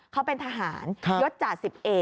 เขาเป็นทหารยศจ่า๑๑